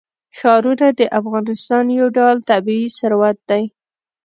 ښارونه د افغانستان یو ډول طبعي ثروت دی.